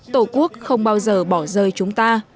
tổ quốc không bao giờ bỏ rơi chúng ta